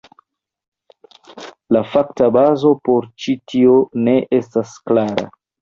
La fakta bazo por ĉi tio ne estas klara.